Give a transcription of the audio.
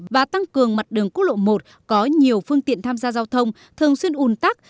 và tăng cường mặt đường quốc lộ một có nhiều phương tiện tham gia giao thông thường xuyên un tắc